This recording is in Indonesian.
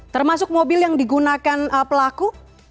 termasuk mobil yang digunakan pelaku